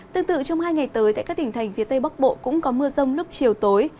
tương tự trong hai ngày tới tại các tỉnh thành phía tây bắc bộ cũng có mưa rông lúc chiều tối